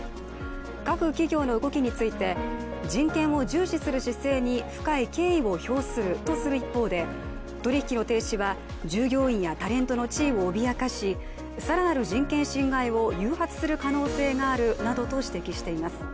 各企業の動きについて、人権を重視する姿勢に深い敬意を表するとする一方で、取り引きの停止は、従業員やタレントの地位を脅かし更なる人権侵害を誘発する可能性があるなどとしています。